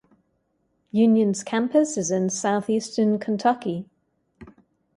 Union's campus is in southeastern Kentucky.